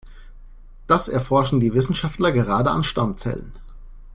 Das erforschen die Wissenschaftler gerade an Stammzellen.